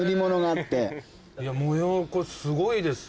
いや模様これすごいですよ。